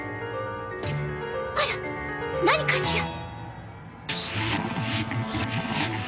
あら何かしら？